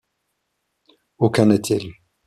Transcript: Aucun n'est élu.